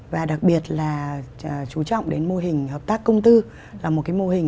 và đặc biệt là chú trọng đến mô hình hợp tác công tư là một cái mô hình